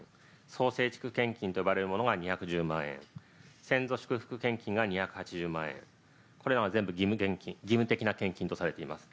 総生畜献金と呼ばれるものが２１０万円先祖祝福献金が２８０万円これらは全部義務的な献金とされています。